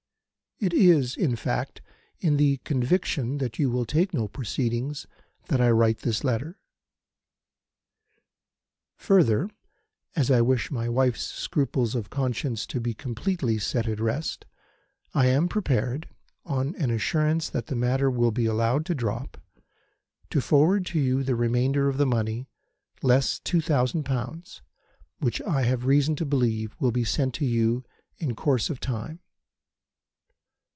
It is, in fact, in the conviction that you will take no proceedings that I write this letter. "Further, as I wish my wife's scruples of conscience to be completely set at rest, I am prepared, on an assurance that the matter will be allowed to drop, to forward to you the remainder of the money, less two thousand pounds, which I have reason to believe will be sent to you in course of time.